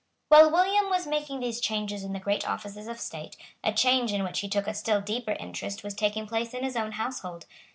While William was making these changes in the great offices of state, a change in which he took a still deeper interest was taking place in his own household.